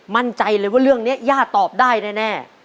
มั่นใจเลยว่าเรื่องนี้ย่าตอบได้แน่